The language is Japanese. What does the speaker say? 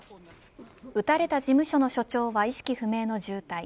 撃たれた事務所の所長は意識不明の重体。